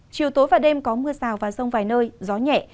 chiều tối và đêm có mưa rào và rông vài nơi gió nhẹ